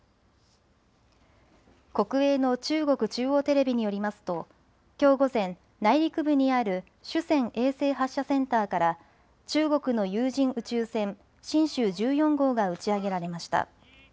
国営の中国中央テレビによりますときょう午前、内陸部にある酒泉衛星発射センターから中国の有人宇宙船神舟１４号が打ち上げられました。